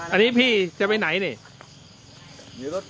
อันนี้พี่จะไปไหนนี่